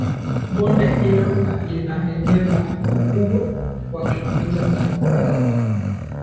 Bonde hilo lina eneo la ukubwa wa kilometa za mraba